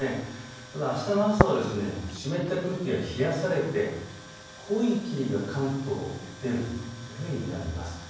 ただあしたの朝は湿った空気が冷やされて濃い霧が関東、出ると見られます。